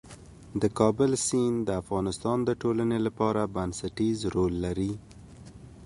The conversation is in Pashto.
د کابل سیند د افغانستان د ټولنې لپاره بنسټيز رول لري.